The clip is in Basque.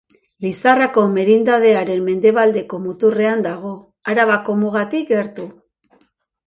Lizarrako merindadearen mendebaldeko muturrean dago, Arabako mugatik gertu.